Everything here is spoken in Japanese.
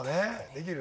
できる？